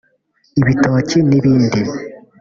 ibitoki n’ibindi